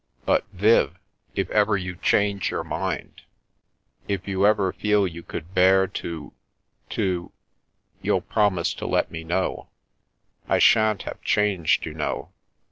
But, Viv — if ever you change your mind — if you ever feel you could bear to — to — you'll promise to let me know ? I sha'n't have changed, you know."